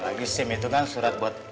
lagi sim itu kan surat buat